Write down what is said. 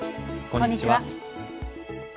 こんにちは。